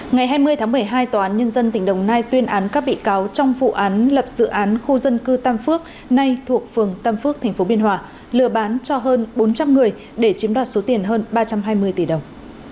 ngày hai mươi tháng một mươi hai tòa án nhân dân tỉnh đồng nai tuyên án các bị cáo trong vụ án lập dự án khu dân cư tam phước nay thuộc phường tam phước tp biên hòa lừa bán cho hơn bốn trăm linh người để chiếm đoạt số tiền hơn ba trăm hai mươi tỷ đồng